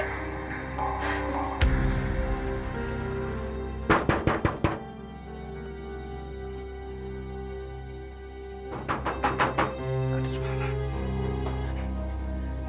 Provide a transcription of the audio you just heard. ada suara anak